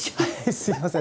すいません。